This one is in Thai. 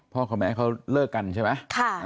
เพราะพวกแม่เค้าเลิกกันใช่มั้ย